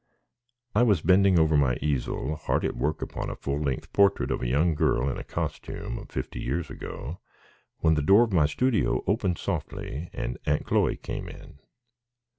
I was bending over my easel, hard at work upon a full length portrait of a young girl in a costume of fifty years ago, when the door of my studio opened softly and Aunt Chloe came in.